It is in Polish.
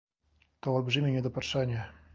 To olbrzymie niedopatrzenie